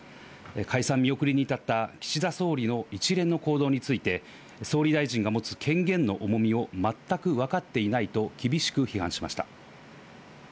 解散見送りに至った岸田総理の一連の行動について、総理大臣が持つ権限の重みを全く分かっていないと厳しく批判しま